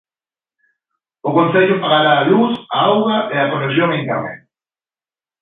O Concello pagará a luz, a auga e a conexión a internet.